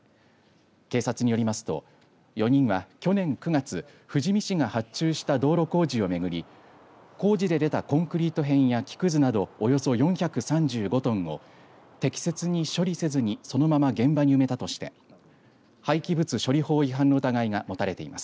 警察によりますと４人は去年９月、富士見市が発注した道路工事をめぐり工事で出たコンクリート片や木くずなどおよそ４３５トンを適切に処理せずにそのまま現場に埋めたとして廃棄物処理法違反の疑いが持たれています。